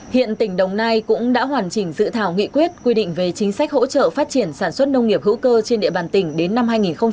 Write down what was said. hiện tỉnh đồng nai cũng đã hoàn chỉnh dự thảo nghị quyết quy định về chính sách hỗ trợ phát triển sản xuất nông nghiệp hữu cơ trên địa bàn tỉnh đến năm hai nghìn ba mươi